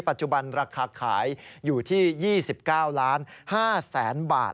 ปัจจุบันราคาขายอยู่ที่๒๙๕๐๐๐๐บาท